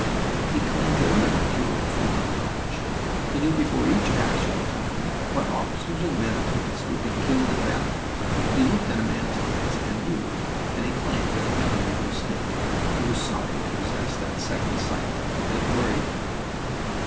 He claimed another peculiar form of knowledge. He knew before each action, he told me, what officers and men of his would be killed in battle. He looked at a man's eyes and knew, and he claimed that he never made a mistake... He was sorry to possess that second sight, and it worried him.